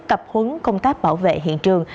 tập huấn công tác bảo vệ hiện trường